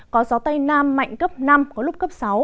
có gió tây nam mạnh cấp năm có lúc cấp sáu